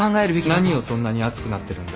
☎何をそんなに熱くなってるんだ？